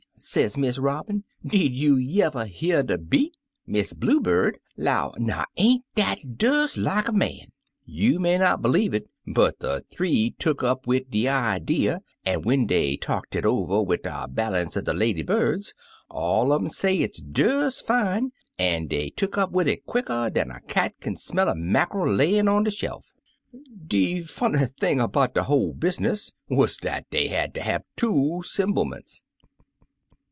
sez Miss Robin, 'did you y'ever hear de beat?* Miss Blue Bird 'low, 'Now, ain't dat des like a man!' You may not b'lieve it, but de three tuck up wid de idee, an' when dey talked it over wid de bal ance er de lady birds^^ all un um say it's des fine, an' dey tuck upT wid it quicker dan a cat kin smell a mackerel layin' on de shelf. De funny thing 'bout de whole business wuz dat dey had ter have two 'semble ments."